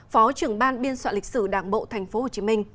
phó trưởng ban biên soạn lịch sử đảng bộ tp hcm